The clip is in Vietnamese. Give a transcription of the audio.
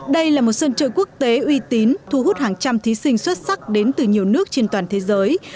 đây là một sân chơi quốc tế uy tín thu hút hàng trăm thí sinh xuất sắc đến từ nhiều nước trên toàn thế giới